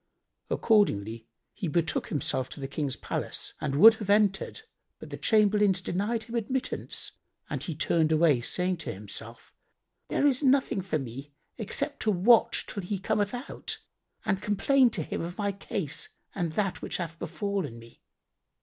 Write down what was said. Accordingly he betook himself to the King's palace and would have entered, but the chamberlains denied him admittance, and he turned away, saying in himself, "There is nothing for me except to watch till he cometh out and complain to him of my case and that which hath befallen me."